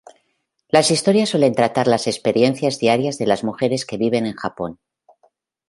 Las historias suelen tratar las experiencias diarias de las mujeres que viven en Japón.